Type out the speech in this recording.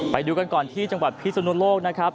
ไปดูกันก่อนที่จังหวัดพิศนุโลกนะครับ